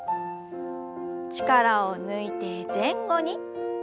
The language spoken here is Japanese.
力を抜いて前後に。